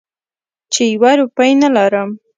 چې یوه روپۍ نه لرم.